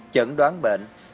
chẩn đoán bệnh viện